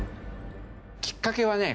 きっかけはね